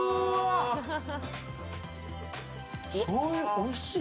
おいしい。